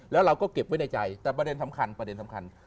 แล้วเราก็เก็บไว้ในใจแต่ประเด็นสำคัญประเด็นสำคัญ